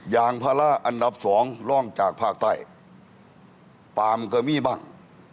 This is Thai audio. ยางภาระอันดับสองร่องจากภาคใต้ปาล์มก็มีบ้าง